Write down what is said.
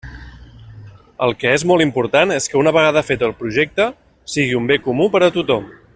El que és molt important és que una vegada fet el projecte sigui un bé comú per a tothom.